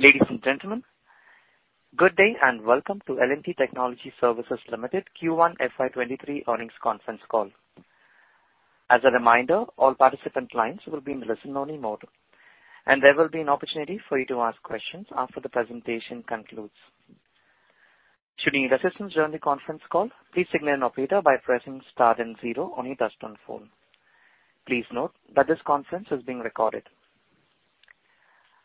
Ladies and gentlemen, good day and welcome to L&T Technology Services Limited Q1 FY 2023 earnings conference call. As a reminder, all participant lines will be in listen-only mode, and there will be an opportunity for you to ask questions after the presentation concludes. Should you need assistance during the conference call, please signal an operator by pressing star then zero on your touch-tone phone. Please note that this conference is being recorded.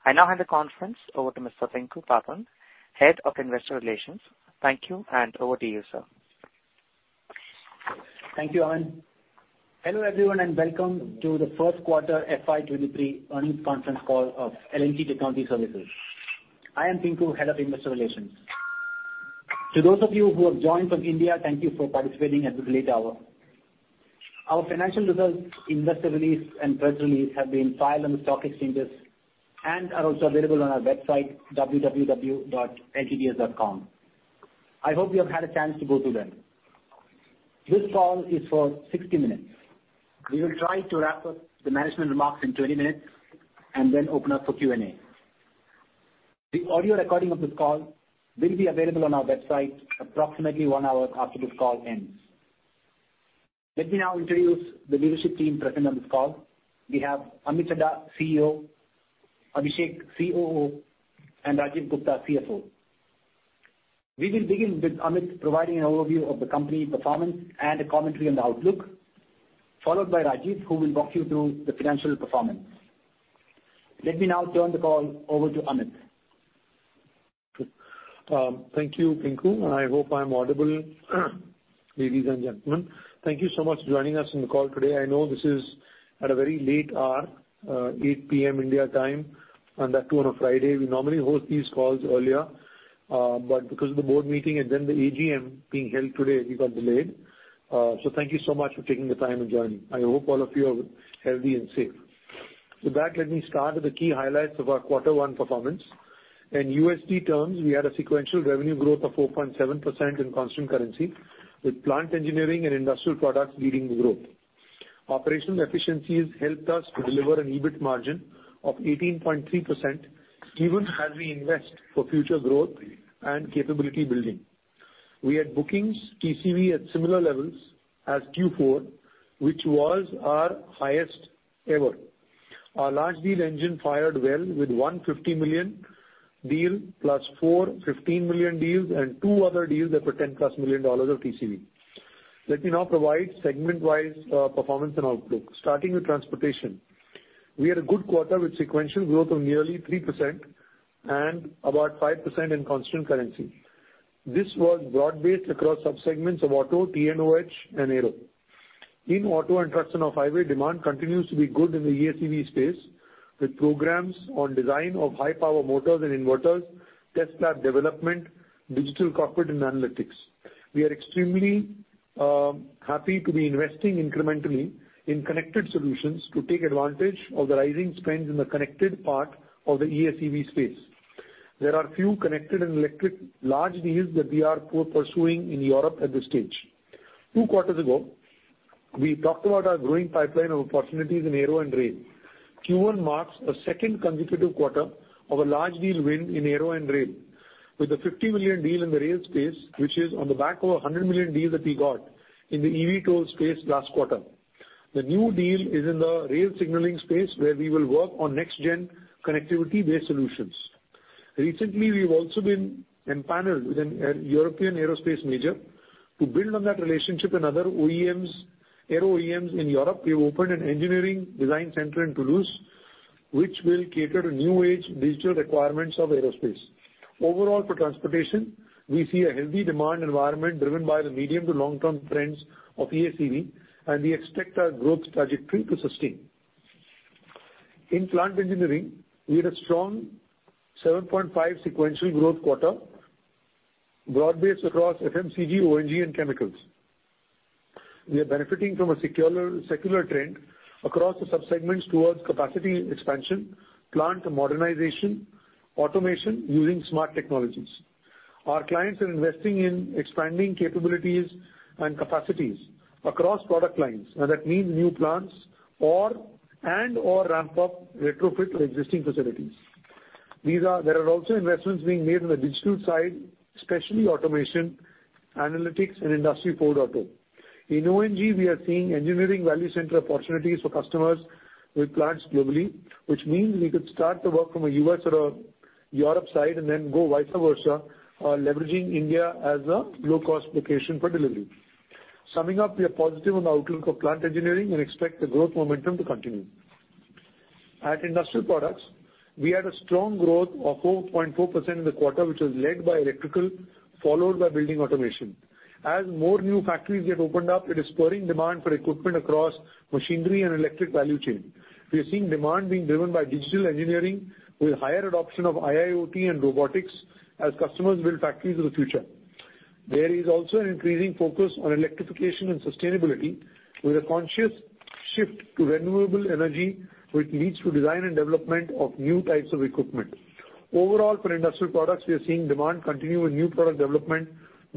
I now hand the conference over to Mr. Pinku Pappan, Head of Investor Relations. Thank you, and over to you, sir. Thank you, Aman. Hello, everyone, and welcome to the first quarter FY 2023 earnings conference call of L&T Technology Services. I am Pinku Pappan, Head of Investor Relations. To those of you who have joined from India, thank you for participating at this late hour. Our financial results, investor release, and press release have been filed on the stock exchanges and are also available on our website, www.ltts.com. I hope you have had a chance to go through them. This call is for 60 minutes. We will try to wrap up the management remarks in 20 minutes and then open up for Q&A. The audio recording of this call will be available on our website approximately one hour after this call ends. Let me now introduce the leadership team present on this call. We have Amit Chadha, CEO, Abhishek, COO, and Rajeev Gupta, CFO. We will begin with Amit providing an overview of the company performance and a commentary on the outlook, followed by Rajeev, who will walk you through the financial performance. Let me now turn the call over to Amit. Thank you, Pinku, and I hope I'm audible. Ladies and gentlemen, thank you so much for joining us on the call today. I know this is at a very late hour, 8:00 P.M. India time, and that too on a Friday. We normally host these calls earlier, but because of the board meeting and then the AGM being held today, we got delayed. Thank you so much for taking the time to join. I hope all of you are healthy and safe. With that, let me start with the key highlights of our quarter one performance. In USD terms, we had a sequential revenue growth of 4.7% in constant currency, with plant engineering and industrial products leading the growth. Operational efficiencies helped us to deliver an EBIT margin of 18.3%, even as we invest for future growth and capability building. We had bookings TCV at similar levels as Q4, which was our highest ever. Our large deal engine fired well with one $150 million deal, plus four $15 million deals and two other deals that were $10+ million of TCV. Let me now provide segment-wise performance and outlook, starting with transportation. We had a good quarter with sequential growth of nearly 3% and about 5% in constant currency. This was broad-based across sub-segments of Auto, T&OH, and Aero. In Auto and T&OH, demand continues to be good in the EACV space with programs on design of high power motors and inverters, test lab development, digital cockpit, and analytics. We are extremely happy to be investing incrementally in connected solutions to take advantage of the rising spends in the connected part of the EACV space. There are few connected and electric large deals that we are pursuing in Europe at this stage. Two quarters ago, we talked about our growing pipeline of opportunities in Aero and rail. Q1 marks a second consecutive quarter of a large deal win in Aero and rail with an 50 million deal in the rail space, which is on the back of an 100 million deal that we got in the EACV space last quarter. The new deal is in the rail signaling space, where we will work on next gen connectivity-based solutions. Recently, we've also been empaneled with a European Aerospace major. To build on that relationship and other OEMs, Aero OEMs in Europe, we have opened an engineering design center in Toulouse, which will cater to new age digital requirements of Aerospace. Overall, for transportation, we see a healthy demand environment driven by the medium to long-term trends of EACV, and we expect our growth trajectory to sustain. In plant engineering, we had a strong 7.5% sequential growth quarter, broad-based across FMCG, O&G, and chemicals. We are benefiting from a secular trend across the sub-segments towards capacity expansion, plant modernization, automation using smart technologies. Our clients are investing in expanding capabilities and capacities across product lines. Now, that means new plants or and/or ramp up retrofit to existing facilities. There are also investments being made on the digital side, especially automation, analytics, and Industry 4.0. In O&G, we are seeing engineering value center opportunities for customers with plants globally, which means we could start the work from a U.S. or a Europe side and then go vice versa, leveraging India as a low-cost location for delivery. Summing up, we are positive on the outlook of plant engineering and expect the growth momentum to continue. At industrial products, we had a strong growth of 4.4% in the quarter, which was led by electrical, followed by building automation. As more new factories get opened up, it is spurring demand for equipment across machinery and electric value chain. We are seeing demand being driven by digital engineering with higher adoption of IIoT and robotics as customers build factories of the future. There is also an increasing focus on electrification and sustainability with a conscious shift to renewable energy, which leads to design and development of new types of equipment. Overall, for industrial products, we are seeing demand continue with new product development,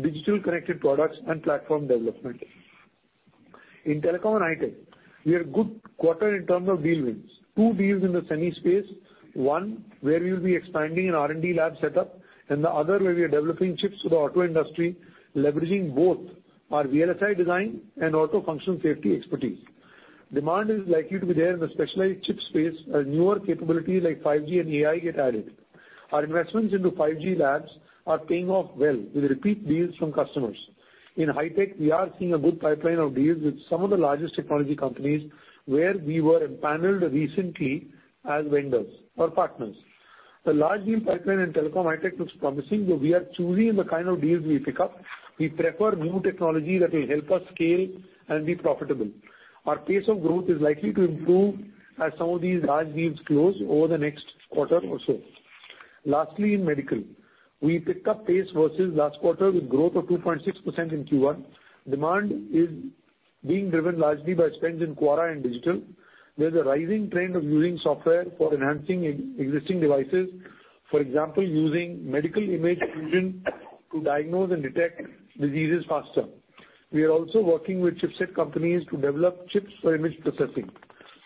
digital connected products, and platform development. In telecom and high tech, we had good quarter in terms of deal wins. Two deals in the semi space, one where we will be expanding an R&D lab setup, and the other where we are developing chips for the Auto industry, leveraging both our VLSI design and Auto functional safety expertise. Demand is likely to be there in the specialized chip space as newer capabilities like 5G and AI get added. Our investments into 5G labs are paying off well with repeat deals from customers. In high tech, we are seeing a good pipeline of deals with some of the largest technology companies where we were empaneled recently as vendors or partners. The large deal pipeline in telecom and high tech looks promising, but we are choosing the kind of deals we pick up. We prefer new technology that will help us scale and be profitable. Our pace of growth is likely to improve as some of these large deals close over the next quarter or so. Lastly, in MedTech, we picked up pace versus last quarter with growth of 2.6% in Q1. Demand is being driven largely by spends in core and digital. There's a rising trend of using software for enhancing existing devices. For example, using medical image fusion to diagnose and detect diseases faster. We are also working with chipset companies to develop chips for image processing.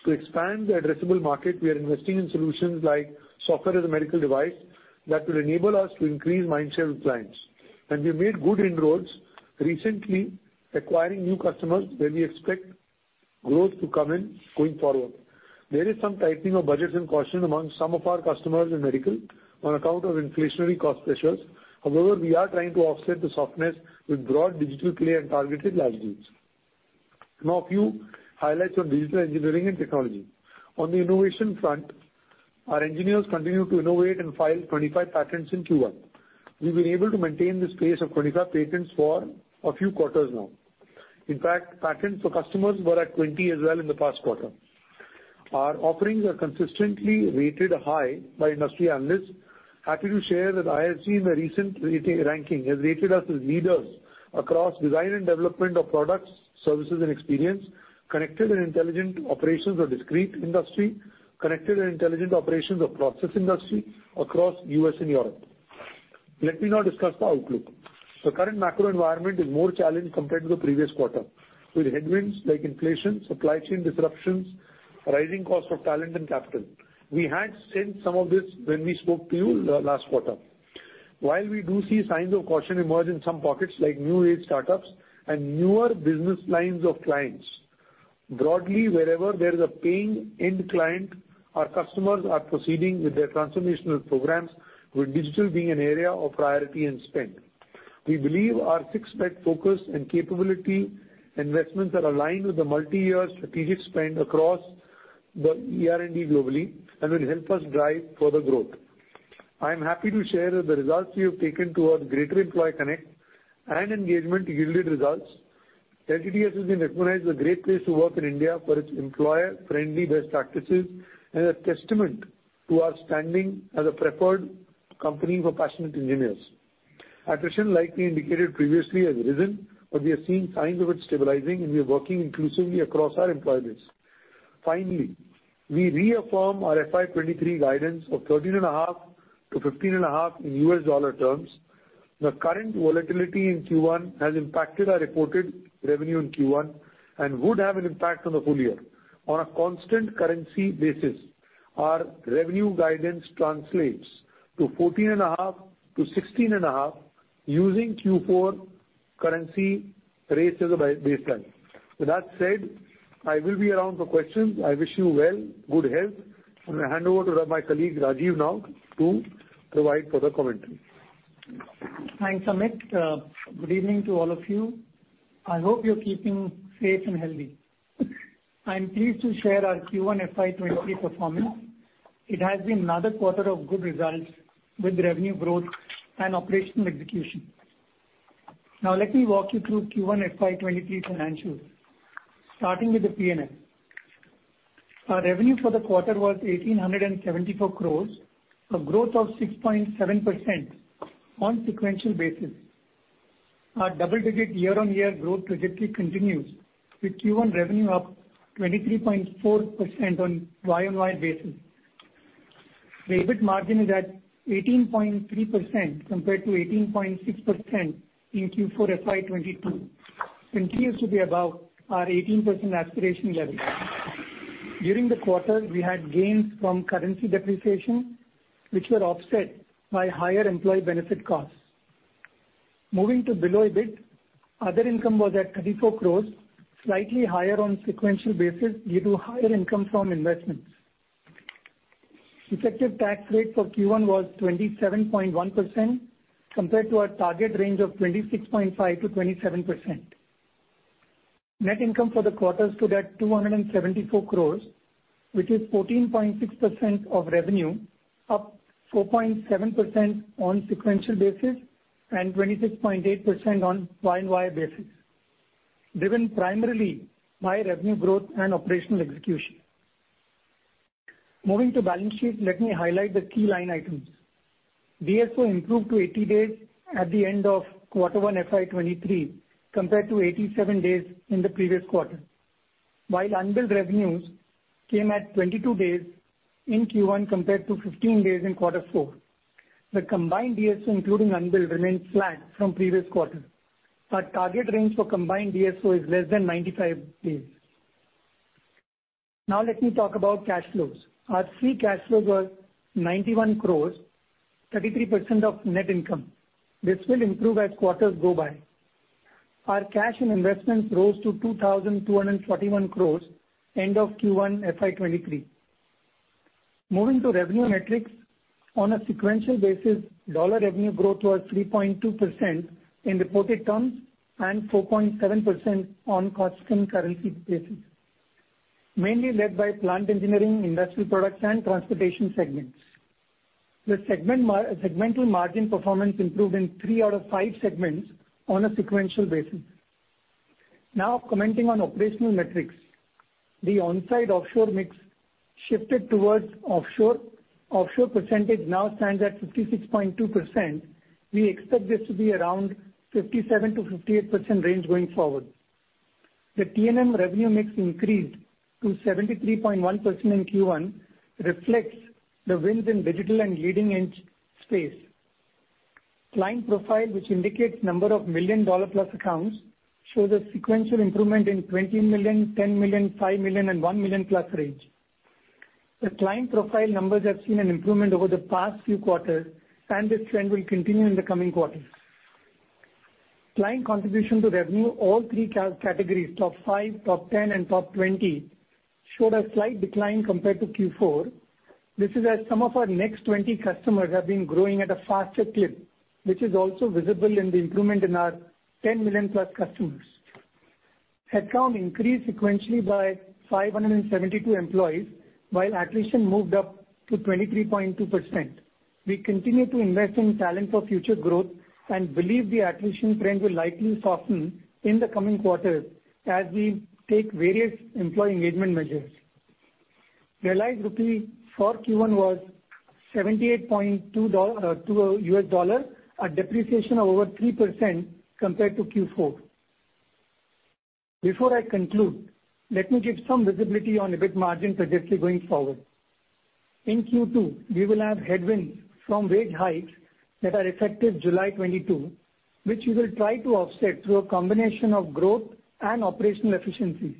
To expand the addressable market, we are investing in solutions like software as a medical device that will enable us to increase mindshare with clients. We have made good inroads recently acquiring new customers where we expect growth to come in going forward. There is some tightening of budgets and caution among some of our customers in MedTech on account of inflationary cost pressures. However, we are trying to offset the softness with broad digital play and targeted large deals. Now a few highlights on digital engineering and technology. On the innovation front, our engineers continued to innovate and filed 25 patents in Q1. We've been able to maintain this pace of 25 patents for a few quarters now. In fact, patents for customers were at 20 as well in the past quarter. Our offerings are consistently rated high by industry analysts. Happy to share that ISG in their recent ranking has rated us as leaders across design and development of products, services and experience, connected and intelligent operations of discrete industry, connected and intelligent operations of process industry across U.S. and Europe. Let me now discuss the outlook. The current macro environment is more challenged compared to the previous quarter, with headwinds like inflation, supply chain disruptions, rising cost of talent and capital. We had sensed some of this when we spoke to you last quarter. While we do see signs of caution emerge in some pockets like new age startups and newer business lines of clients, broadly wherever there is a paying end client, our customers are proceeding with their transformational programs, with digital being an area of priority and spend. We believe our six-part focus and capability investments are aligned with the multi-year strategic spend across the ER&D globally and will help us drive further growth. I am happy to share that the results we have taken towards greater employee connect and engagement yielded results. LTTS has been recognized as a great place to work in India for its employer-friendly best practices, and a testament to our standing as a preferred company for passionate engineers. Attrition likely indicated previously has risen, but we are seeing signs of it stabilizing, and we are working inclusively across our employee base. Finally, we reaffirm our FY 2023 guidance of 13.5%-15.5% in U.S. dollar terms. The current volatility in Q1 has impacted our reported revenue in Q1 and would have an impact on the full year. On a constant currency basis, our revenue guidance translates to 14.5%-16.5% using Q4 currency rates as a baseline. With that said, I will be around for questions. I wish you well, good health, and I hand over to my colleague, Rajeev now to provide further commentary. Thanks, Amit. Good evening to all of you. I hope you're keeping safe and healthy. I'm pleased to share our Q1 FY 2023 performance. It has been another quarter of good results with revenue growth and operational execution. Now let me walk you through Q1 FY 2023 financials, starting with the P&L. Our revenue for the quarter was 1,874 crore, a growth of 6.7% on sequential basis. Our double-digit year-on-year growth trajectory continues with Q1 revenue up 23.4% on YoY basis. The EBIT margin is at 18.3% compared to 18.6% in Q4 FY 2022, continues to be above our 18% aspiration level. During the quarter, we had gains from currency depreciation, which were offset by higher employee benefit costs. Moving to below EBIT, other income was at 34 crores, slightly higher on sequential basis due to higher income from investments. Effective tax rate for Q1 was 27.1% compared to our target range of 26.5%-27%. Net income for the quarter stood at 274 crores, which is 14.6% of revenue, up 4.7% on sequential basis and 26.8% on YoY basis, driven primarily by revenue growth and operational execution. Moving to balance sheet, let me highlight the key line items. DSO improved to 80 days at the end of quarter one FY 2023 compared to 87 days in the previous quarter. While unbilled revenues came at 22 days in Q1 compared to 15 days in quarter four. The combined DSO, including unbilled, remained flat from previous quarter. Our target range for combined DSO is less than 95 days. Now let me talk about cash flows. Our free cash flow was 91 crore, 33% of net income. This will improve as quarters go by. Our cash and investments rose to 2,241 crore end of Q1 FY 2023. Moving to revenue metrics. On a sequential basis, dollar revenue growth was 3.2% in reported terms and 4.7% on constant currency basis, mainly led by plant engineering, industrial products and transportation segments. The segmental margin performance improved in three out of five segments on a sequential basis. Now commenting on operational metrics. The on-site offshore mix shifted towards offshore. Offshore percentage now stands at 56.2%. We expect this to be around 57%-58% range going forward. The T&M revenue mix increased to 73.1% in Q1, reflects the wins in digital and leading edge space. Client profile, which indicates number of $1 million-plus accounts, shows a sequential improvement in $20 million, $10 million, $5 million and $1 million-plus range. The client profile numbers have seen an improvement over the past few quarters and this trend will continue in the coming quarters. Client contribution to revenue, all three categories, top five, top ten and top twenty, showed a slight decline compared to Q4. This is as some of our next twenty customers have been growing at a faster clip, which is also visible in the improvement in our $10+ million customers. Headcount increased sequentially by 572 employees while attrition moved up to 23.2%. We continue to invest in talent for future growth and believe the attrition trend will likely soften in the coming quarters as we take various employee engagement measures. Realized rupee for Q1 was 78.2 to the U.S. dollar, a depreciation of over 3% compared to Q4. Before I conclude, let me give some visibility on EBIT margin trajectory going forward. In Q2, we will have headwinds from wage hikes that are effective July 2022, which we will try to offset through a combination of growth and operational efficiencies.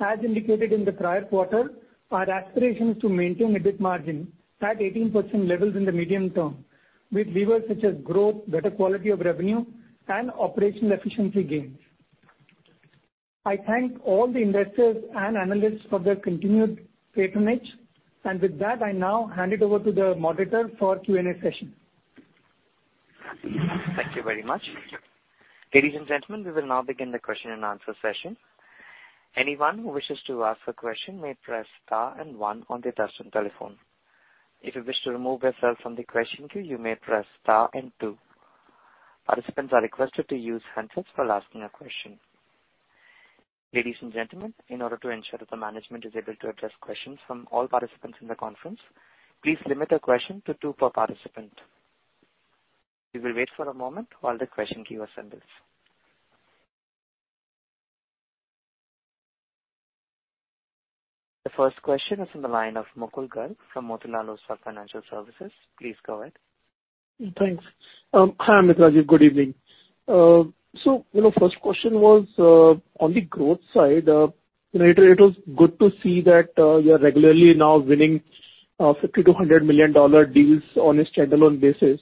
As indicated in the prior quarter, our aspiration is to maintain EBIT margin at 18% levels in the medium term with levers such as growth, better quality of revenue and operational efficiency gains. I thank all the investors and analysts for their continued patronage. With that, I now hand it over to the moderator for Q&A session. Thank you very much. Ladies and gentlemen, we will now begin the question and answer session. Anyone who wishes to ask a question may press star and one on their touch-tone telephone. If you wish to remove yourself from the question queue you may press star and two. Participants are requested to use handsets for asking a question. Ladies and gentlemen, in order to ensure that the management is able to address questions from all participants in the conference, please limit your question to two per participant. We will wait for a moment while the question queue assembles. The first question is in the line of Mukul Garg from Motilal Oswal Financial Services. Please go ahead. Thanks. Hi, Amit. Good evening. You know, first question was on the growth side. You know, it was good to see that you are regularly now winning $50 million-$100 million deals on a standalone basis.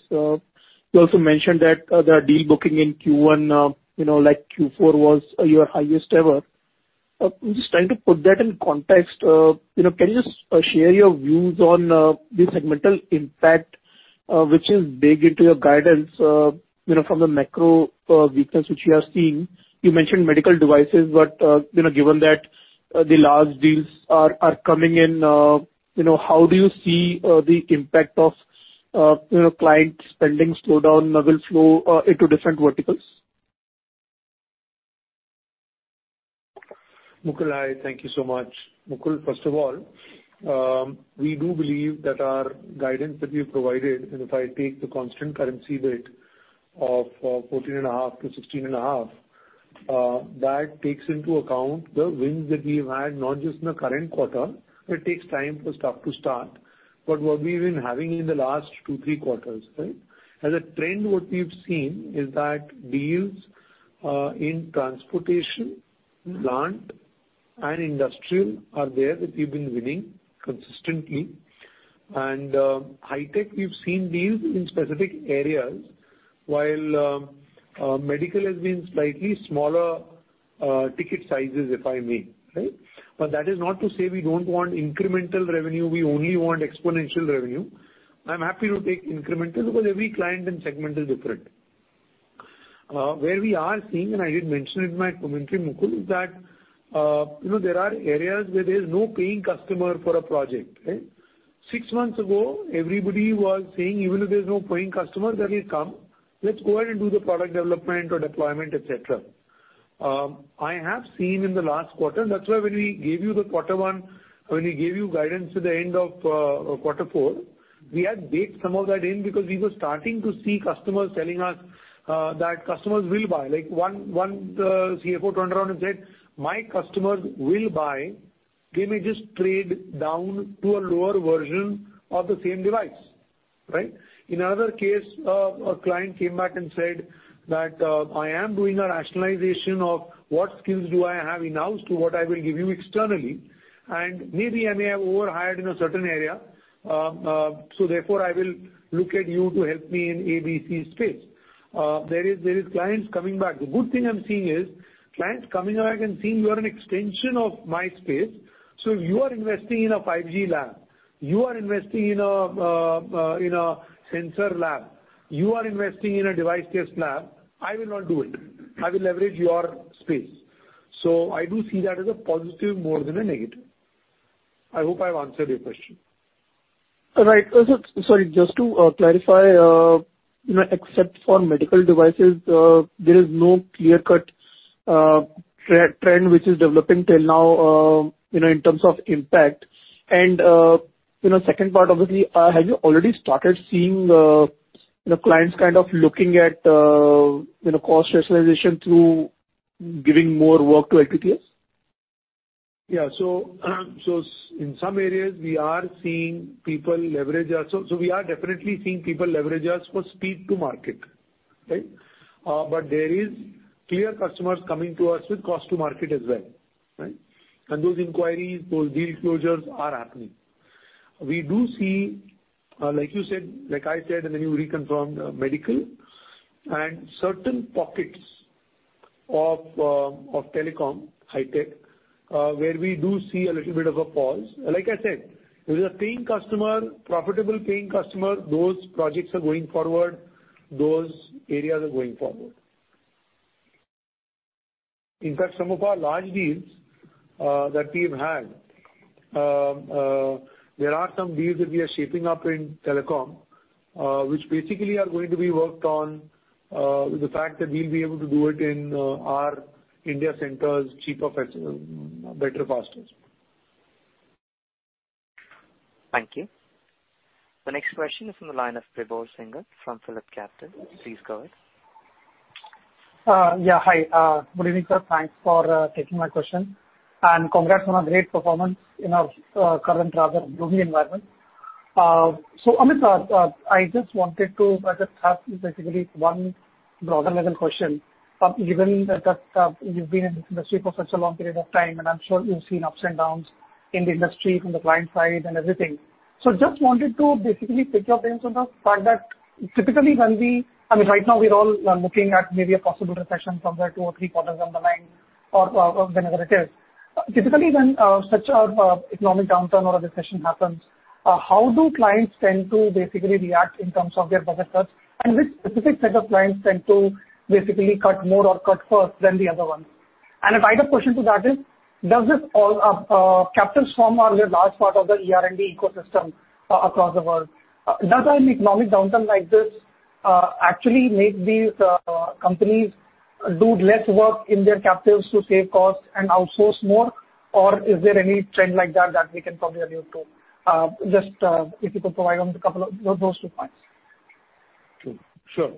You also mentioned that the deal booking in Q1, you know, like Q4, was your highest ever. I'm just trying to put that in context. You know, can you share your views on the segmental impact, which is baked into your guidance, you know, from the macro weakness which you are seeing. You mentioned medical devices, but, you know, given that the large deals are coming in, you know, how do you see the impact of, you know, client spending slowdown, deal flow into different verticals? Mukul, hi. Thank you so much. Mukul, first of all, we do believe that our guidance that we've provided, and if I take the constant currency bit of 14.5%-16.5%, that takes into account the wins that we've had, not just in the current quarter. It takes time for stuff to start, but what we've been having in the last two, three quarters, right? As a trend, what we've seen is that deals in transportation, plant and industrial are there that we've been winning consistently. High tech, we've seen deals in specific areas while medical has been slightly smaller ticket sizes, if I may, right? That is not to say we don't want incremental revenue, we only want exponential revenue. I'm happy to take incremental because every client and segment is different. Where we are seeing, and I did mention it in my commentary, Mukul, is that, you know, there are areas where there's no paying customer for a project, right? Six months ago, everybody was saying even if there's no paying customer, they will come. Let's go ahead and do the product development or deployment, et cetera. I have seen in the last quarter. That's why when we gave you guidance at the end of quarter four, we had baked some of that in because we were starting to see customers telling us that customers will buy. Like, one CFO turned around and said, "My customers will buy. They may just trade down to a lower version of the same device", right? In another case, a client came back and said that, "I am doing a rationalization of what skills do I have in-house to what I will give you externally, and maybe I may have over-hired in a certain area, so therefore I will look at you to help me in ABC space." There are clients coming back. The good thing I'm seeing is clients coming back and seeing you are an extension of my space, so you are investing in a 5G lab, you are investing in a sensor lab, you are investing in a device test lab. I will not do it. I will leverage your space. I do see that as a positive more than a negative. I hope I've answered your question. Right. Also, sorry, just to clarify, you know, except for medical devices, there is no clear-cut, trend which is developing till now, you know, in terms of impact. You know, second part, obviously, have you already started seeing, the clients kind of looking at, you know, cost rationalization through giving more work to LTTS? Yeah. In some areas, we are seeing people leverage us for speed to market, right? There are clear customers coming to us with cost to market as well, right? Those inquiries for deal closures are happening. We do see, like I said, and then you reconfirmed, medical and certain pockets of telecom high tech, where we do see a little bit of a pause. Like I said, profitable paying customer, those projects are going forward, those areas are going forward. In fact, some of our large deals that we've had. There are some deals that we are shaping up in telecom, which basically are going to be worked on with the fact that we'll be able to do it in our India centers cheaper, faster, better, faster. Thank you. The next question is from the line of Vibhor Singhal from PhillipCapital. Please go ahead. Yeah. Hi, good evening, sir. Thanks for taking my question, and congrats on a great performance in our current rather gloomy environment. Amit, I just wanted to rather ask you basically one broader level question. Given that you've been in this industry for such a long period of time, and I'm sure you've seen ups and downs in the industry from the client side and everything. Just wanted to basically pick your brains on the fact that typically when we I mean, right now we're all looking at maybe a possible recession somewhere two or three quarters down the line or whenever it is. Typically, when such an economic downturn or a recession happens, how do clients tend to basically react in terms of their budget cuts, and which specific set of clients tend to basically cut more or cut first than the other ones? A wider question to that is, does this capture some of the large part of the ER&D ecosystem across the world? Does an economic downturn like this actually make these companies do less work in their captives to save costs and outsource more, or is there any trend like that that we can probably allude to? Just if you could provide on a couple of those two points. Sure.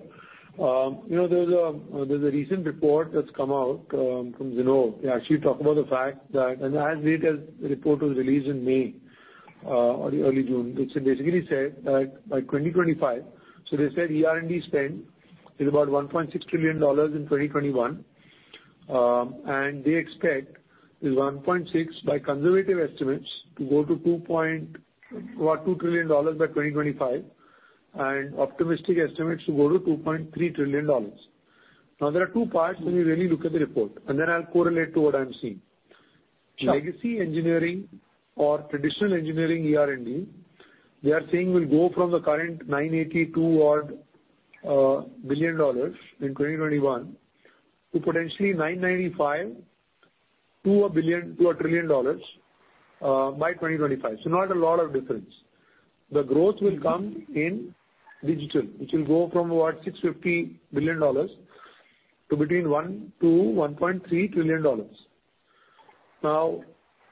You know, there's a recent report that's come out from Zinnov. They actually talk about the fact that, as late as the report was released in May or early June, which basically said that by 2025, they said ER&D spend is about $1.6 trillion in 2021. They expect this $1.6 trillion, by conservative estimates, to go to about $2 trillion by 2025, and optimistic estimates to go to $2.3 trillion. Now, there are two parts when you really look at the report, and then I'll correlate to what I'm seeing. Sure. Legacy engineering or traditional engineering ER&D, they are saying will go from the current odd $982 billion in 2021 to potentially $995 billion-$1 trillion by 2025. Not a lot of difference. The growth will come in digital, which will go from about $650 billion to between $1 trillion-$1.3 trillion. Now,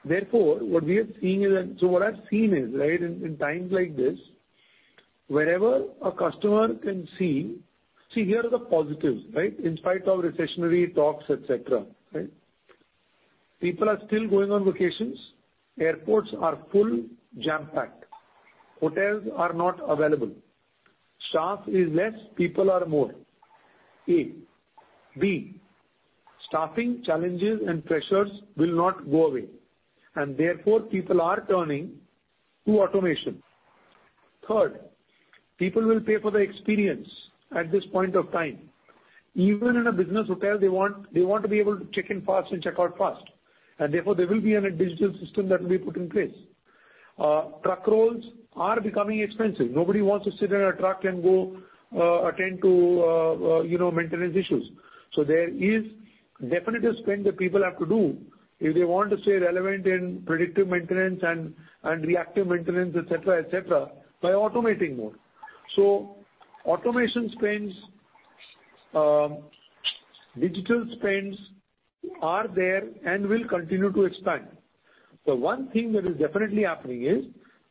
therefore, what we are seeing is. What I've seen is, right, in times like this, wherever a customer can see. See, here are the positives, right? In spite of recessionary talks, et cetera, right? People are still going on vacations. Airports are full, jam-packed. Hotels are not available. Staff is less, people are more, A. B, staffing challenges and pressures will not go away, and therefore people are turning to automation. Third, people will pay for the experience at this point of time. Even in a business hotel, they want to be able to check in fast and check out fast, and therefore there will be a digital system that will be put in place. Truck rolls are becoming expensive. Nobody wants to sit in a truck and go, attend to, you know, maintenance issues. There is definite spend that people have to do if they want to stay relevant in predictive maintenance and reactive maintenance, et cetera, by automating more. Automation spends, digital spends are there and will continue to expand. The one thing that is definitely happening is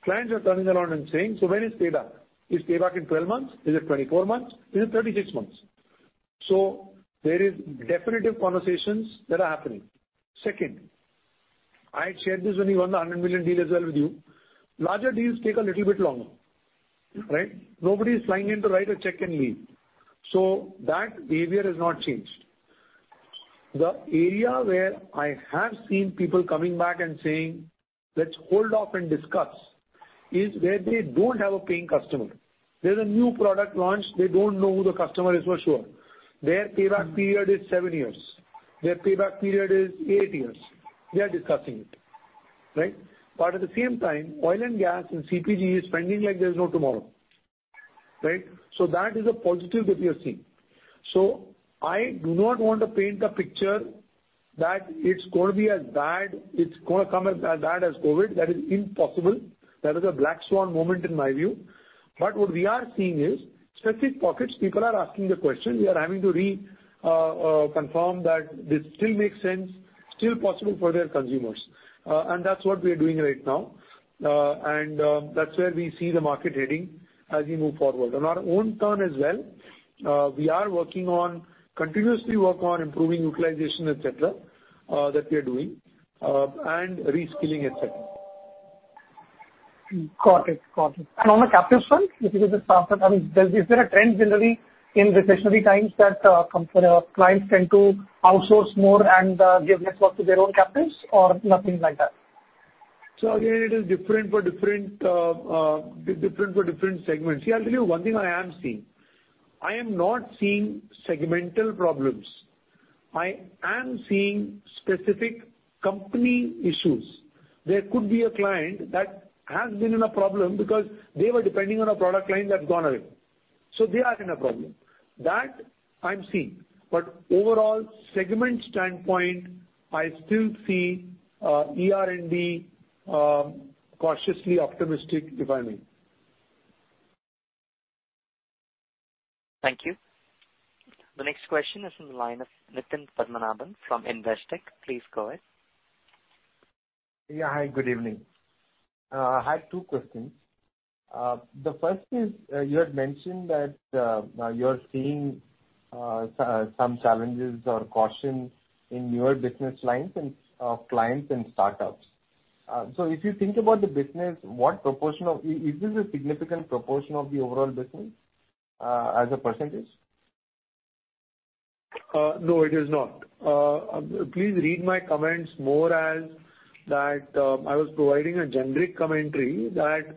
clients are turning around and saying, "So when is payback? Is payback in 12 months? Is it 24 months? Is it 36 months? There is definite conversations that are happening. Second, I had shared this when you won the 100 million deal as well with you. Larger deals take a little bit longer, right? Nobody is flying in to write a check and leave. That behavior has not changed. The area where I have seen people coming back and saying, "Let's hold off and discuss," is where they don't have a paying customer. There's a new product launch. They don't know who the customer is for sure. Their payback period is seven years, their payback period is eight years. They are discussing it, right? At the same time, oil and gas and CPG is spending like there's no tomorrow, right? That is a positive that we are seeing. I do not want to paint a picture that it's gonna be as bad as COVID-19. That is impossible. That is a black swan moment in my view. What we are seeing is specific pockets. People are asking the question. We are having to confirm that this still makes sense, still possible for their consumers. That's what we are doing right now. That's where we see the market heading as we move forward. On our own terms as well, we are continuously working on improving utilization, et cetera, that we are doing, and reskilling, et cetera. Got it. On the captive front, if it is a front that I mean, is there a trend generally in recessionary times that clients tend to outsource more and give less work to their own captives or nothing like that? Again, it is different for different segments. See, I'll tell you one thing I am seeing. I am not seeing segmental problems. I am seeing specific company issues. There could be a client that has been in a problem because they were depending on a product line that's gone away, so they are in a problem. That I'm seeing. Overall segment standpoint, I still see ER&D cautiously optimistic, if I may. Thank you. The next question is from the line of Nitin Padmanabhan from Investec. Please go ahead. Yeah, hi. Good evening. I have two questions. The first is, you had mentioned that you're seeing some challenges or caution in newer business lines and clients and startups. If you think about the business, is this a significant proportion of the overall business, as a percentage? No, it is not. Please read my comments more as that. I was providing a generic commentary that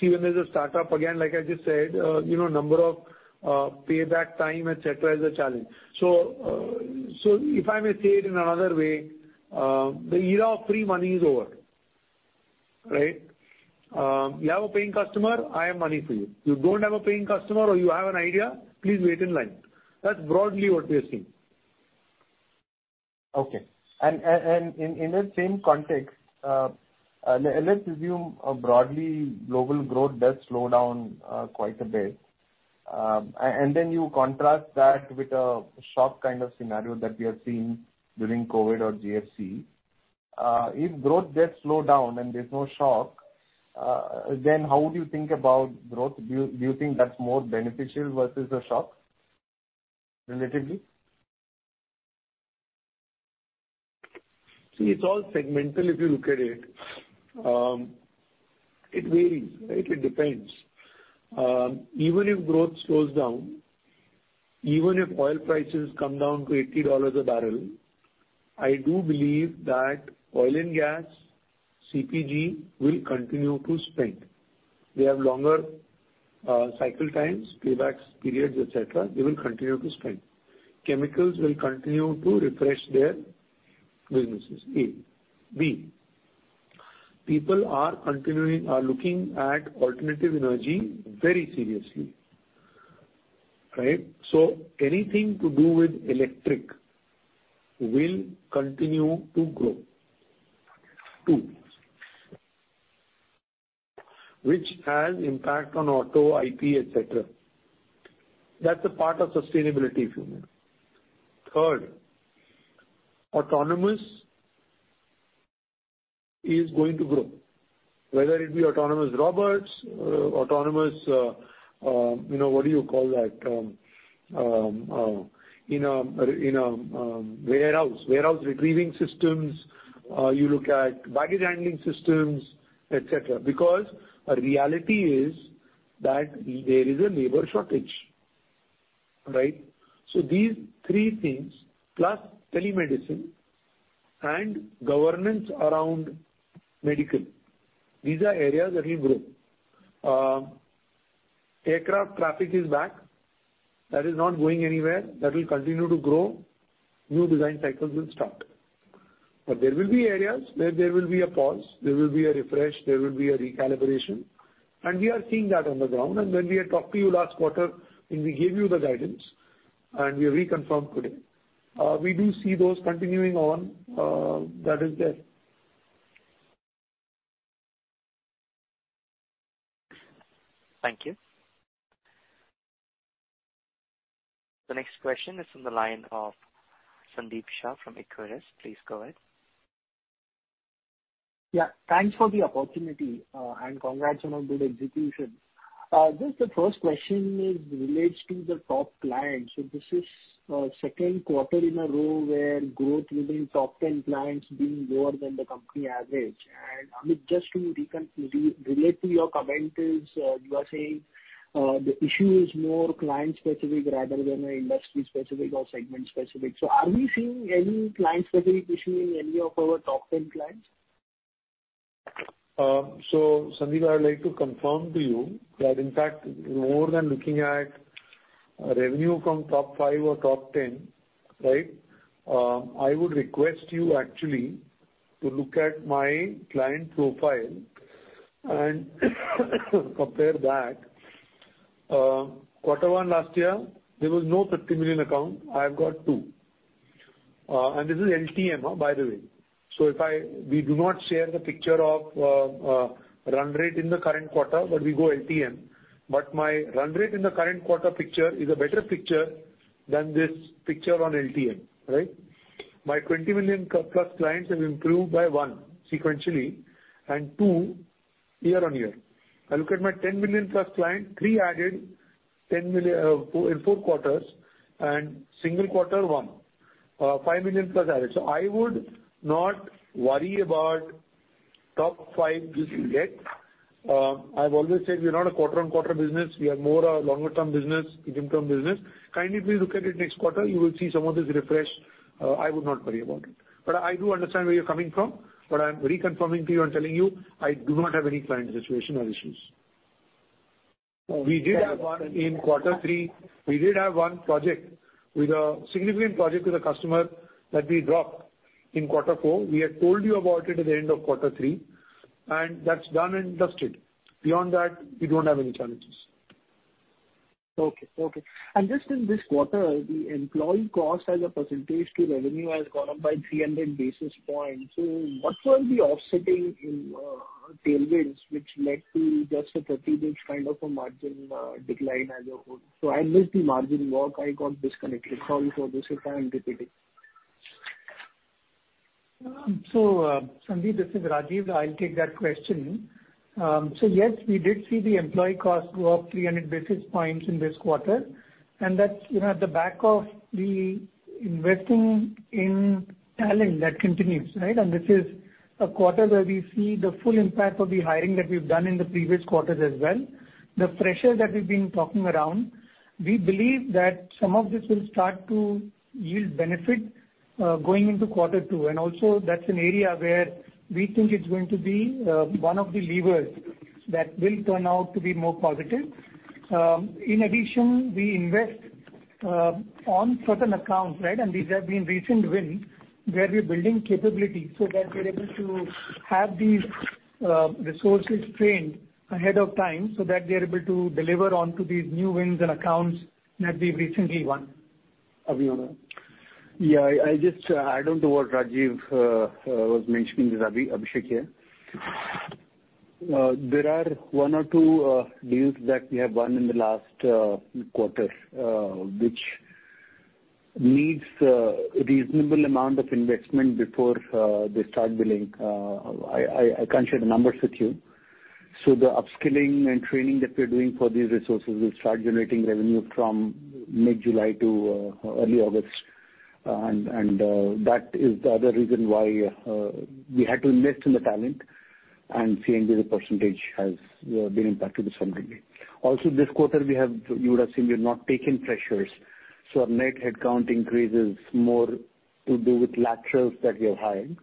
see when there's a startup, again, like I just said, you know, number of payback time, et cetera, is a challenge. If I may say it in another way, the era of free money is over, right? You have a paying customer, I have money for you. You don't have a paying customer or you have an idea, please wait in line. That's broadly what we are seeing. Okay. In that same context, let's assume broadly global growth does slow down quite a bit. Then you contrast that with a shock kind of scenario that we have seen during COVID or GFC. If growth does slow down and there's no shock, then how would you think about growth? Do you think that's more beneficial versus a shock relatively? See, it's all segmental if you look at it. It varies, right? It depends. Even if growth slows down, even if oil prices come down to $80 a barrel, I do believe that oil and gas, CPG will continue to spend. They have longer cycle times, payback periods, et cetera. They will continue to spend. Chemicals will continue to refresh their businesses. A, B, people are looking at alternative energy very seriously, right? So anything to do with electric will continue to grow. Two, which has impact on Auto, IT, et cetera. That's a part of sustainability, if you may. Third, autonomous is going to grow. Whether it be autonomous robots, autonomous, you know, what do you call that, in a warehouse retrieving systems, you look at baggage handling systems, et cetera. Because a reality is that there is a labor shortage, right? So these three things plus telemedicine and governance around medical, these are areas that will grow. Aircraft traffic is back. That is not going anywhere. That will continue to grow. New design cycles will start. But there will be areas where there will be a pause, there will be a refresh, there will be a recalibration, and we are seeing that on the ground. When we had talked to you last quarter and we gave you the guidance, and we reconfirmed today, we do see those continuing on, that is there. Thank you. The next question is from the line of Sandeep Shah from Equirus. Please go ahead. Thanks for the opportunity, and congrats on a good execution. Just the first question relates to the top clients. This is the second quarter in a row where growth within top 10 clients being lower than the company average. Amit, just to relate to your comment, you are saying the issue is more client-specific rather than an industry-specific or segment-specific. Are we seeing any client-specific issue in any of our top 10 clients? Sandeep, I'd like to confirm to you that in fact more than looking at revenue from top five or top 10, right, I would request you actually to look at my client profile and compare that. Quarter one last year there was no 50 million account. I've got two. And this is LTM, by the way. We do not share the picture of run rate in the current quarter, but we go LTM. My run rate in the current quarter picture is a better picture than this picture on LTM, right? My 20 million plus clients have improved by one sequentially, and two year-over-year. I look at my 10+ million client, three added 10 million, four in four quarters and single quarter one. 5+ million added. I would not worry about top five just yet. I've always said we're not a quarter-on-quarter business. We are more a longer term business, medium term business. Kindly please look at it next quarter. You will see some of this refresh. I would not worry about it. I do understand where you're coming from, but I'm reconfirming to you and telling you I do not have any client situation or issues. We did have one in quarter three. We did have one significant project with a customer that we dropped in quarter four. We had told you about it at the end of quarter three, and that's done and dusted. Beyond that, we don't have any challenges. Okay. Just in this quarter, the employee cost as a percentage to revenue has gone up by 300 basis points. What was the offsetting in tailwinds which led to just a 30 basis point of a margin decline as a whole? I missed the margin walk, I got disconnected. Sorry for this if I'm repeating. Sandeep, this is Rajeev. I'll take that question. Yes, we did see the employee cost go up 300 basis points in this quarter, and that's, you know, at the back of the investing in talent that continues, right? This is a quarter where we see the full impact of the hiring that we've done in the previous quarters as well. The pressures that we've been talking around. We believe that some of this will start to yield benefit going into quarter two, and also that's an area where we think it's going to be one of the levers that will turn out to be more positive. In addition, we invest on certain accounts, right? These have been recent wins where we're building capability so that we're able to have these resources trained ahead of time so that they're able to deliver onto these new wins and accounts that we've recently won. Yeah, I just don't know what Rajeev was mentioning just now. Abhishek here. There are one or two deals that we have won in the last quarters, which needs a reasonable amount of investment before they start billing. I can't share the numbers with you. The upskilling and training that we're doing for these resources will start generating revenue from mid-July to early August. That is the other reason why we had to invest in the talent and SG&A percentage has been impacted to some degree. Also, this quarter we have, you would assume, we've not taken pressures, so our net headcount increase is more to do with laterals that we are hiring,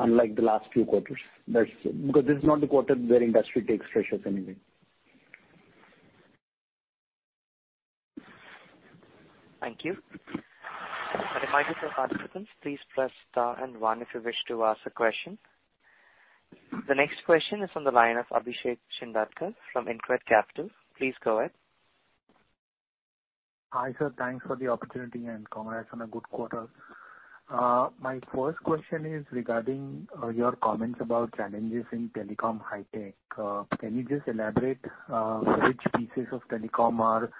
unlike the last few quarters. That's because this is not the quarter where industry takes pressures anyway. Thank you. A reminder for participants, please press star and one if you wish to ask a question. The next question is on the line of Abhishek Shindadkar from InCred Capital. Please go ahead. Hi, sir. Thanks for the opportunity, and congrats on a good quarter. My first question is regarding your comments about challenges in telecom high tech. Can you just elaborate which pieces of telecom are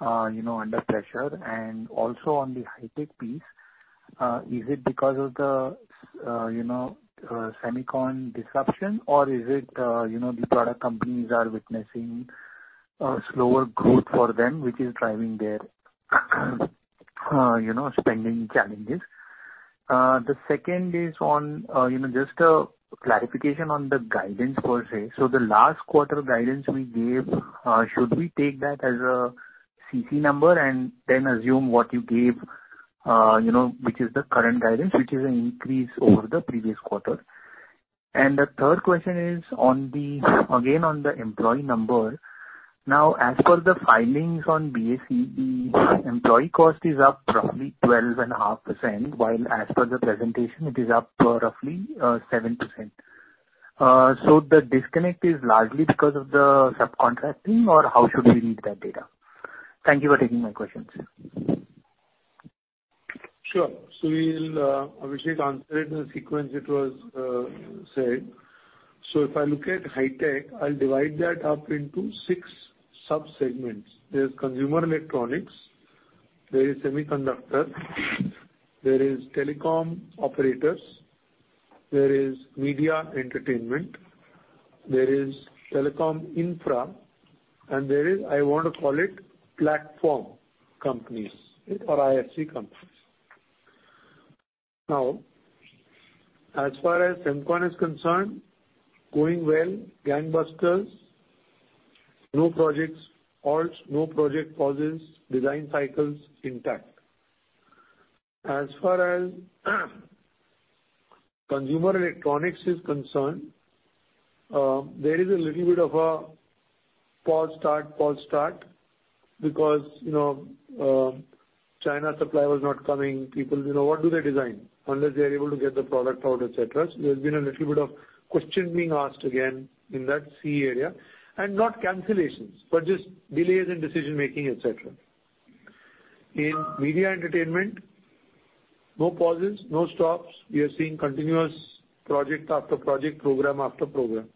you know under pressure? And also on the high tech piece, is it because of the semicon disruption, or is it you know the product companies are witnessing slower growth for them, which is driving their you know spending challenges? The second is on you know just a clarification on the guidance per se. The last quarter guidance we gave should we take that as a CC number and then assume what you gave you know which is the current guidance, which is an increase over the previous quarter? The third question is on the, again, on the employee number. Now, as per the filings on BSE, employee cost is up roughly 12.5%, while as per the presentation it is up roughly 7%. The disconnect is largely because of the subcontracting or how should we read that data? Thank you for taking my questions. Sure. We'll, Abhishek, answer it in the sequence it was said. If I look at high tech, I'll divide that up into six sub-segments. There's Consumer Electronics, there is Semiconductor, there is Telecom Operators, there is Media Entertainment, there is Telecom Infra, and there is, I want to call it Platform Companies or ISV Companies. Now, as far as Semiconductor is concerned, going well, gangbusters. No projects halts, no project pauses, design cycles intact. As far as Consumer Electronics is concerned, there is a little bit of a pause, start, pause, start because, you know, Chinese supply was not coming. People, you know, what do they design unless they're able to get the product out, et cetera. There's been a little bit of question being asked again in that C area, and not cancellations, but just delays in decision-making, et cetera. In Media Entertainment, no pauses, no stops. We are seeing continuous project after project, program after program.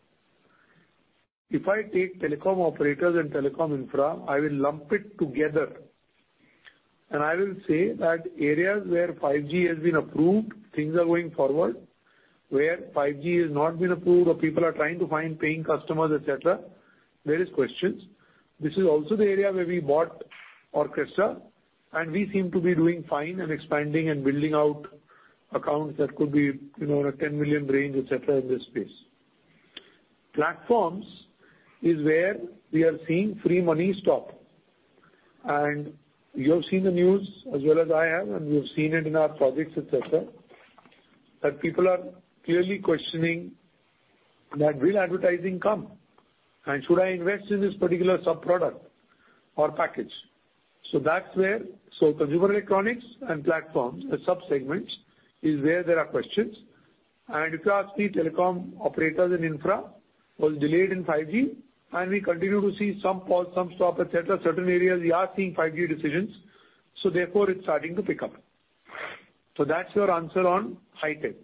If I take Telecom Operators and Telecom Infra, I will lump it together, and I will say that areas where 5G has been approved, things are going forward. Where 5G has not been approved or people are trying to find paying customers, et cetera, there is questions. This is also the area where we bought Orchestra, and we seem to be doing fine and expanding and building out accounts that could be, you know, in a 10 million range, et cetera, in this space. Platforms is where we are seeing free money stop. You have seen the news as well as I have, and we've seen it in our projects, et cetera, that people are clearly questioning that will advertising come, and should I invest in this particular sub-product or package? Consumer Electronics and Platforms, the sub-segments, is where there are questions. If you ask the Telecom Operators, infrastructure was delayed in 5G, and we continue to see some pause, some stop, et cetera. Certain areas we are seeing 5G decisions, so therefore it's starting to pick up. That's your answer on high-tech.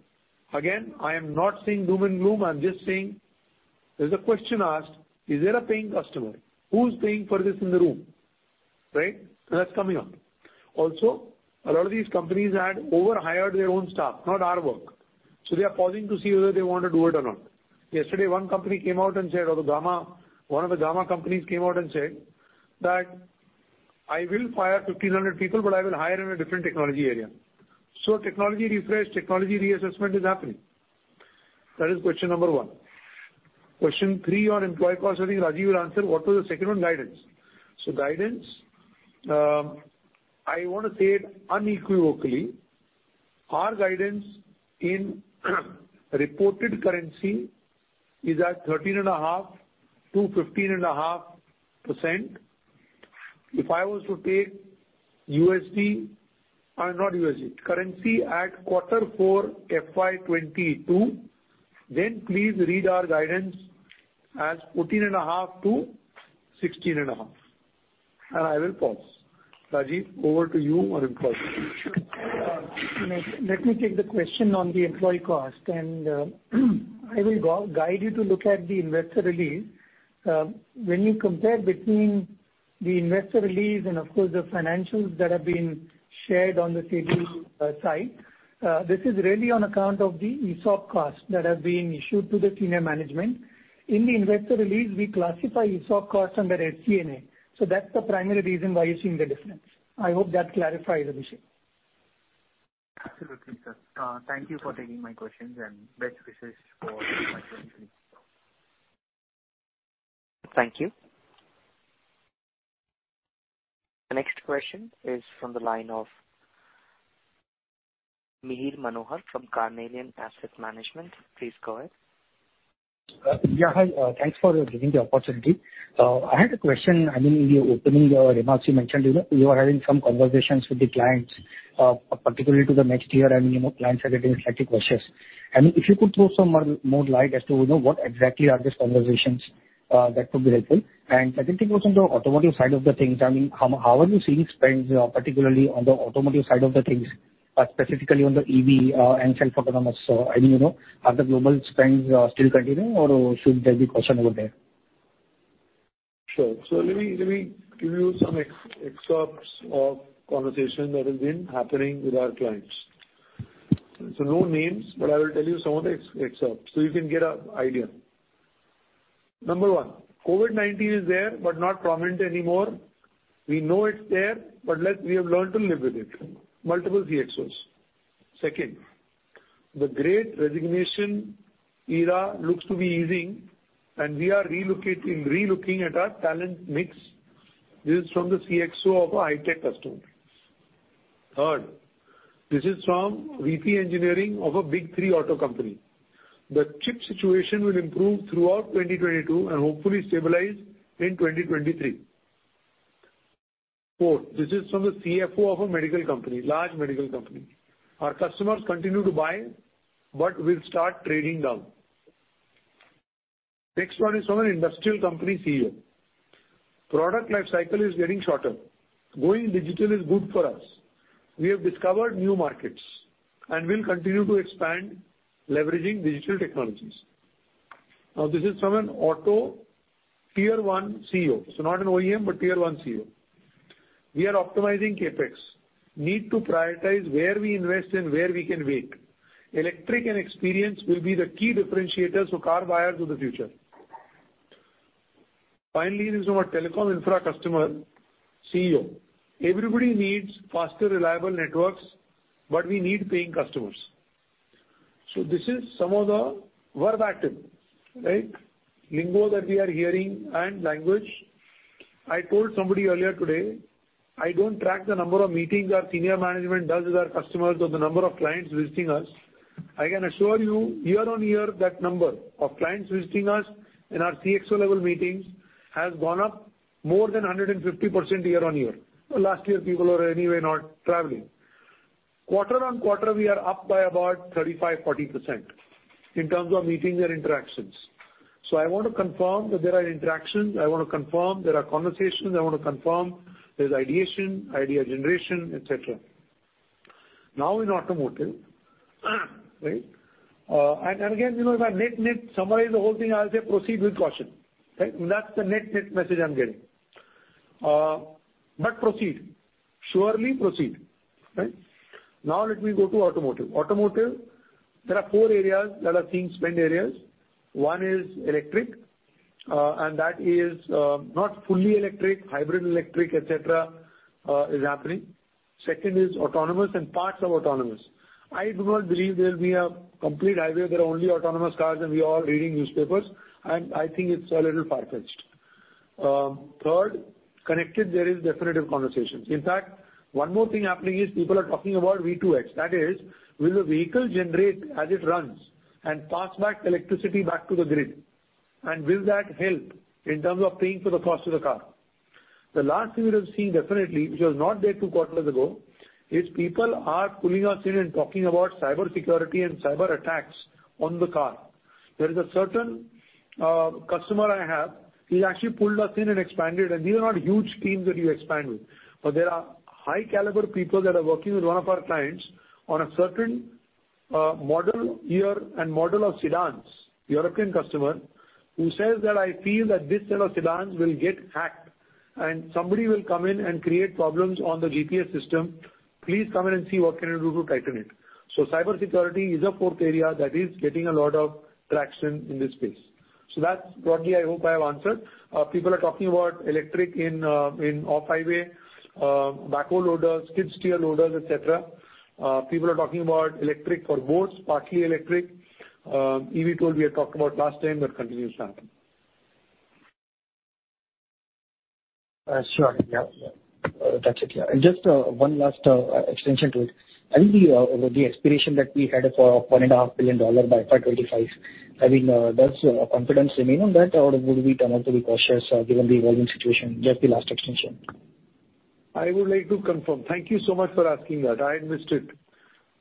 Again, I am not saying doom and gloom. I'm just saying there's a question asked, "Is there a paying customer? Who's paying for this in the room?" Right? That's coming up. Also, a lot of these companies had over-hired their own staff, not our work, so they are pausing to see whether they want to do it or not. Yesterday, one company came out and said, or the Gamma, one of the Gamma companies came out and said that, "I will fire 1,500 people, but I will hire in a different technology area." Technology refresh, technology reassessment is happening. That is question number one. Question three on employee cost, I think Rajeev will answer. What was the second one? Guidance. Guidance, I wanna say it unequivocally, our guidance in reported currency is at 13.5%-15.5%. If I was to take USD, not USD, currency at Q4 FY 2022, then please read our guidance as 14.5%-16.5%. I will pause. Rajeev, over to you on employee cost. You know, let me take the question on the employee cost, and I will guide you to look at the investor release. When you compare between the investor release and of course, the financials that have been shared on the BSE site, this is really on account of the ESOP costs that have been issued to the senior management. In the investor release, we classify ESOP costs under SG&A. That's the primary reason why you're seeing the difference. I hope that clarifies, Abhishek. Absolutely, sir. Thank you for taking my questions and best wishes for 2023. Thank you. The next question is from the line of Mihir Manohar from Carnelian Asset Management. Please go ahead. Yeah, hi. Thanks for giving the opportunity. I had a question. I mean, in the opening, remarks you mentioned, you know, you are having some conversations with the clients, particularly to the next year and, you know, clients are getting slightly cautious. I mean, if you could throw some more light as to, you know, what exactly are these conversations, that would be helpful. Secondly, also on the automotive side of the things, I mean, how are you seeing spends, particularly on the automotive side of the things, specifically on the EV, and self-autonomous? I mean, you know, are the global spends, still continuing or should there be caution over there? Sure. Let me give you some excerpts of conversation that has been happening with our clients. No names, but I will tell you some of the excerpts so you can get an idea. Number one, COVID-19 is there but not prominent anymore. We know it's there, but we have learned to live with it. Multiple CXOs. Second, the great resignation era looks to be easing and we are relooking at our talent mix. This is from the CXO of a high-tech customer. Third, this is from VP Engineering of a big three Auto company. The chip situation will improve throughout 2022 and hopefully stabilize in 2023. Four, this is from the CFO of a medical company, large medical company. Our customers continue to buy, but we'll start trading down. Next one is from an industrial company CEO. Product life cycle is getting shorter. Going digital is good for us. We have discovered new markets and will continue to expand leveraging digital technologies. Now this is from an Auto tier one CEO, so not an OEM, but tier one CEO. We are optimizing CapEx. Need to prioritize where we invest and where we can wait. Electric and experience will be the key differentiators for car buyers of the future. Finally, this is from a telecom infra customer CEO. Everybody needs faster, reliable networks, but we need paying customers. This is some of the verbatims, right? Lingo that we are hearing and language. I told somebody earlier today, I don't track the number of meetings our senior management does with our customers or the number of clients visiting us. I can assure you, year-over-year, that number of clients visiting us in our CXO level meetings has gone up more than 150% year-over-year. Last year people were anyway not traveling. Quarter-over-quarter we are up by about 35%-40% in terms of meetings and interactions. I want to confirm that there are interactions. I want to confirm there are conversations. I want to confirm there's ideation, idea generation, et cetera. Now in automotive, right, and again, you know, if I net summarize the whole thing, I'll say proceed with caution. Right? That's the net message I'm getting. But proceed. Surely proceed. Right? Now let me go to automotive. Automotive, there are four areas that are seeing spend areas. One is electric, and that is not fully electric, hybrid electric, et cetera, is happening. Second is autonomous and parts of autonomous. I do not believe there will be a complete highway that are only autonomous cars, and we are all reading newspapers, and I think it's a little far-fetched. Third, connected there is definitive conversations. In fact, one more thing happening is people are talking about V2X. That is, will the vehicle generate as it runs and pass back electricity back to the grid, and will that help in terms of paying for the cost of the car? The last thing we have seen definitely, which was not there two quarters ago, is people are pulling us in and talking about cybersecurity and cyberattacks on the car. There is a certain customer I have, he actually pulled us in and expanded, and these are not huge teams that you expand with. There are high caliber people that are working with one of our clients on a certain model year and model of sedans, European customer, who says that I feel that this set of sedans will get hacked and somebody will come in and create problems on the GPS system. Please come in and see what can you do to tighten it. Cybersecurity is a fourth area that is getting a lot of traction in this space. That's broadly I hope I have answered. People are talking about electric in off-highway backhoe loaders, skid steer loaders, et cetera. People are talking about electric for boats, partly electric. eVTOL we had talked about last time, that continues to happen. Sure. Yeah. Just one last extension to it. I think the aspiration that we had for $1.5 billion by FY 2025, I mean, does our confidence remain on that or would we turn out to be cautious, given the evolving situation? Just the last extension. I would like to confirm. Thank you so much for asking that. I had missed it.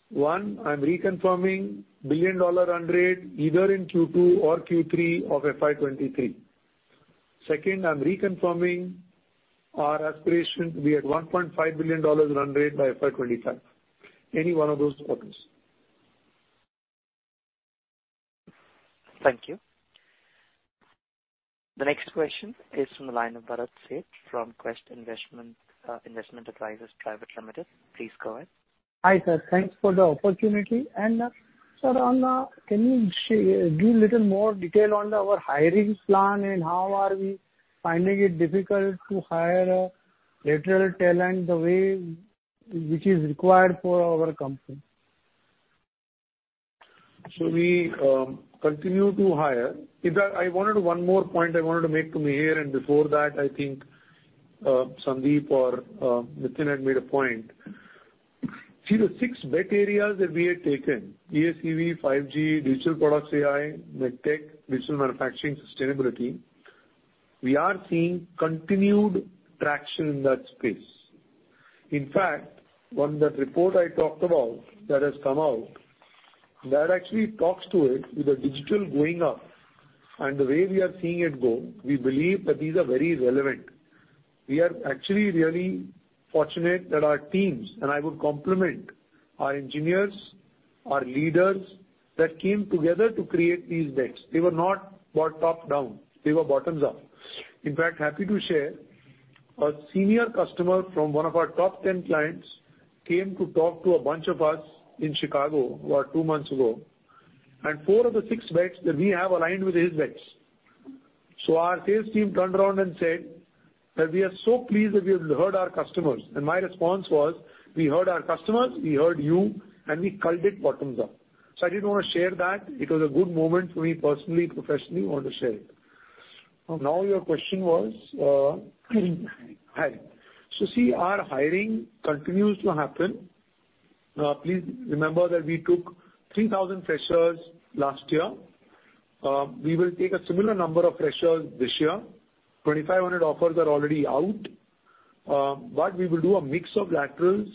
One, I'm reconfirming billion-dollar run rate either in Q2 or Q3 of FY 2023. Second, I'm reconfirming our aspiration to be at $1.5 billion run rate by FY 2025. Any one of those two options. Thank you. The next question is from the line of Bharat Sheth from Quest Investment Advisors Private Limited. Please go ahead. Hi, sir. Thanks for the opportunity. Sir, can you give little more detail on our hiring plan and how are we finding it difficult to hire lateral talent the way which is required for our company? We continue to hire. In fact, I wanted one more point to make to Mihir, and before that I think Sandeep or Nitin had made a point. See, the six bet areas that we had taken, EACV, 5G, digital products AI, MedTech, digital manufacturing, sustainability, we are seeing continued traction in that space. In fact, on that report I talked about that has come out, that actually talks to it with the digital going up and the way we are seeing it go, we believe that these are very relevant. We are actually really fortunate that our teams, and I would compliment our engineers, our leaders that came together to create these bets. They were not bought top-down, they were bottoms-up. In fact, happy to share, a senior customer from one of our top 10 clients came to talk to a bunch of us in Chicago about two months ago, and four of the six bets that we have aligned with his bets. Our sales team turned around and said that we are so pleased that we have heard our customers. My response was, "We heard our customers, we heard you, and we built it bottom up." I did want to share that. It was a good moment for me personally, professionally, wanted to share it. Now your question was, hiring. See, our hiring continues to happen. Please remember that we took 3,000 freshers last year. We will take a similar number of freshers this year. 2,500 offers are already out. We will do a mix of laterals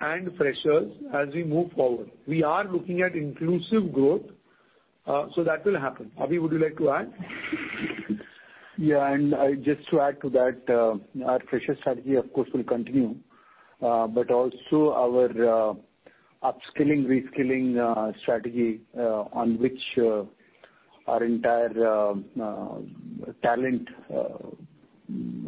and freshers as we move forward. We are looking at inclusive growth, so that will happen. Abhi, would you like to add? Yeah, I just to add to that, our fresher strategy, of course, will continue. Our upskilling, reskilling strategy, on which our entire talent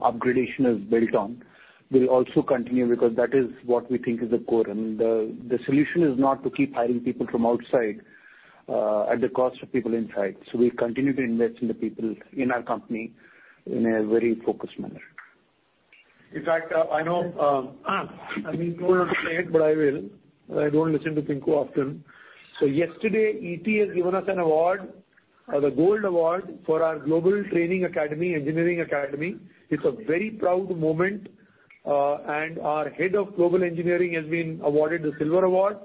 upgradation is built on will also continue because that is what we think is the core. The solution is not to keep hiring people from outside at the cost of people inside. We continue to invest in the people in our company in a very focused manner. In fact, I know, I mean to say it, but I will. I don't listen to Pinku often. Yesterday, ET has given us an award, the Gold Award for our global training academy, engineering academy. It's a very proud moment. Our head of global engineering has been awarded the Silver Award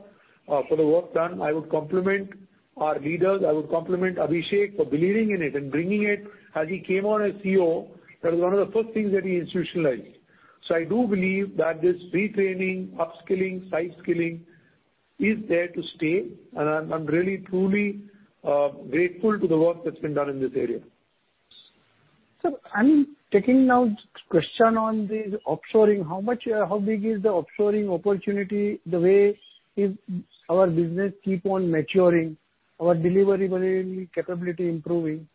for the work done. I would compliment our leaders. I would compliment Abhishek for believing in it and bringing it. As he came on as CEO, that was one of the first things that he institutionalized. I do believe that this retraining, upskilling, side skilling is there to stay. I'm really truly grateful to the work that's been done in this area. Sir, I'm taking the question now on this offshoring. How big is the offshoring opportunity, the way our business keep on maturing, our delivery model capability improving?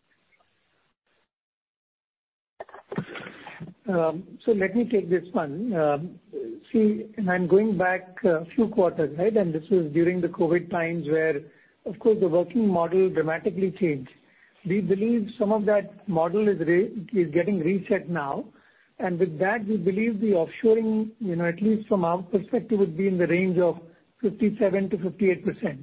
Let me take this one. See, I'm going back a few quarters, right? This is during the COVID times where, of course, the working model dramatically changed. We believe some of that model is getting reset now. With that, we believe the offshoring, you know, at least from our perspective, would be in the range of 57%-58%.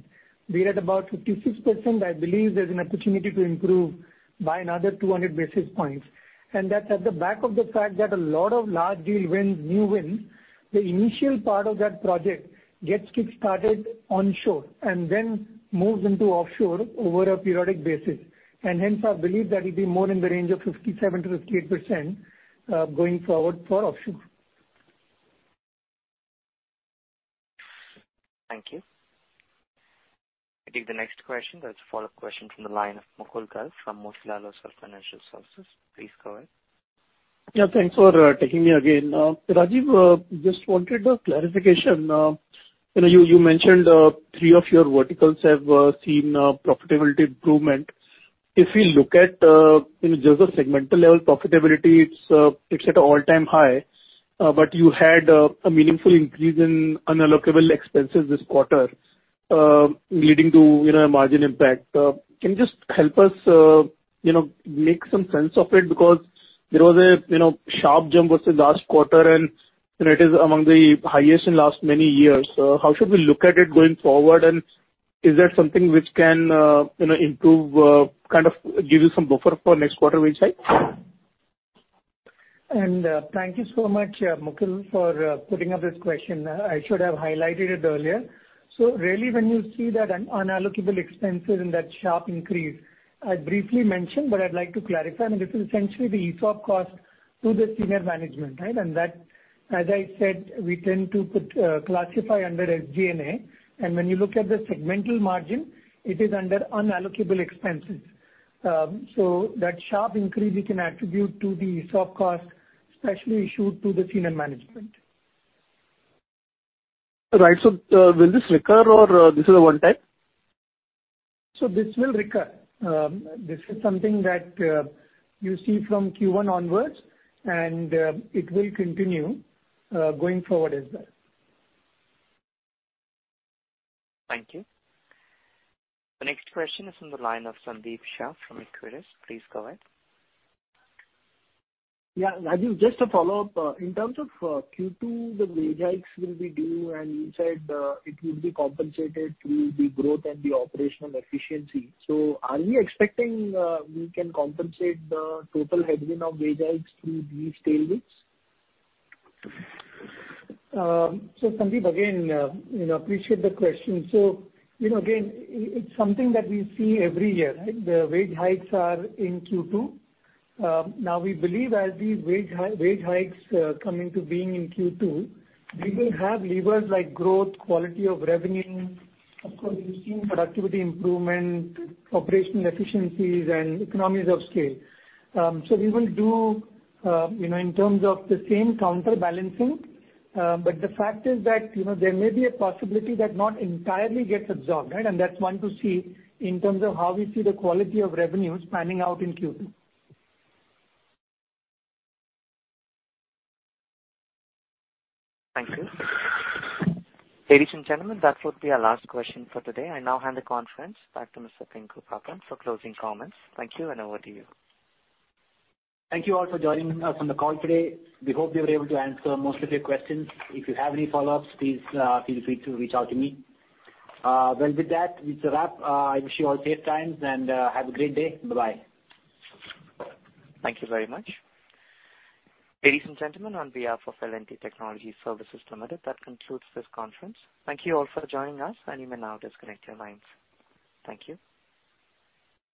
We're at about 56%. I believe there's an opportunity to improve by another 200 basis points. That's at the back of the fact that a lot of large deal wins, new wins, the initial part of that project gets kick-started on shore and then moves into offshore over a periodic basis. Hence, I believe that it'll be more in the range of 57%-58% going forward for offshore. Thank you. I take the next question. That's a follow-up question from the line of Mukul Garg from Motilal Oswal Financial Services. Please go ahead. Yeah, thanks for taking me again. Rajeev, just wanted a clarification. You know, you mentioned three of your verticals have seen profitability improvement. If we look at, you know, just the segmental level profitability, it's at an all-time high, but you had a meaningful increase in unallocated expenses this quarter, leading to, you know, a margin impact. Can you just help us, you know, make some sense of it? Because there was a, you know, sharp jump versus last quarter, and, you know, it is among the highest in last many years. How should we look at it going forward? Is that something which can, you know, improve, kind of give you some buffer for next quarter wage hike? Thank you so much, Mukul, for putting up this question. I should have highlighted it earlier. Really when you see that unallocable expenses and that sharp increase, I briefly mentioned, but I'd like to clarify. I mean, this is essentially the ESOP cost to the senior management, right? That, as I said, we tend to put, classify under SG&A. When you look at the segmental margin, it is under unallocable expenses. That sharp increase we can attribute to the ESOP cost specifically issued to the senior management. Right. Will this recur, or is this a one-time? This will recur. This is something that you see from Q1 onwards, and it will continue going forward as well. Thank you. The next question is from the line of Sandeep Shah from Equirus. Please go ahead. Yeah. Rajeev, just a follow-up. In terms of Q2, the wage hikes will be due, and you said it will be compensated through the growth and the operational efficiency. Are we expecting we can compensate the total headwind of wage hikes through these tailwinds? Sandeep, again, you know, appreciate the question. You know, again, it's something that we see every year, right? The wage hikes are in Q2. Now we believe as these wage hikes come into being in Q2, we will have levers like growth, quality of revenue, of course, we've seen productivity improvement, operational efficiencies and economies of scale. We will do, you know, in terms of the same counterbalancing. The fact is that, you know, there may be a possibility that not entirely gets absorbed, right? That's one to see in terms of how we see the quality of revenues panning out in Q2. Thank you. Ladies and gentlemen, that would be our last question for today. I now hand the conference back to Mr. Pinku Pappan for closing comments. Thank you, and over to you. Thank you all for joining us on the call today. We hope we were able to answer most of your questions. If you have any follow-ups, please, feel free to reach out to me. Well, with that, it's a wrap. I wish you all safe times, and, have a great day. Bye-bye. Thank you very much. Ladies and gentlemen, on behalf of L&T Technology Services Limited, that concludes this conference. Thank you all for joining us, and you may now disconnect your lines. Thank you.